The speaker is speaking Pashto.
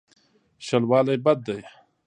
شلوالی بد دی.